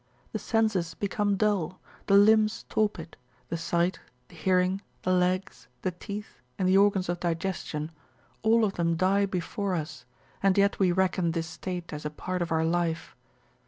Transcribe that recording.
The senses become dull, the limbs torpid, the sight, the hearing, the legs, the teeth, and the organs of digestion, all of them die before us, and yet we reckon this state as a part of our life.